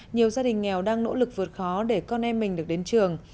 nhiều gia đình nghèo đang nỗ lực vượt khó để con em mình được đến trường